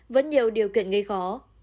vẫn nhiều điều kiện gây khó